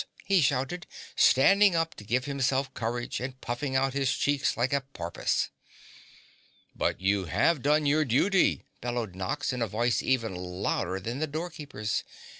he shouted, standing up to give himself courage and puffing out his cheeks like a porpoise. "But you have done your duty," bellowed Nox in a voice even louder than the door keeper's.